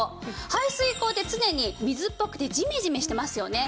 排水口って常に水っぽくてジメジメしてますよね。